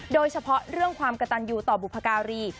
โดยเฉพาะเรื่องความกระตันอยู่ต่อบุพการี